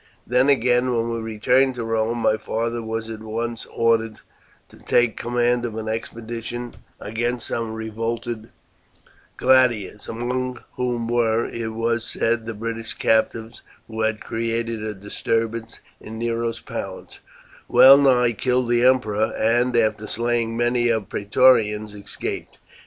"Then again, when we returned to Rome, my father was at once ordered to take command of an expedition against some revolted gladiators, among whom were, it was said, the British captives who had created a disturbance in Nero's palace, well nigh killed the emperor, and after slaying many of the Praetorians, escaped.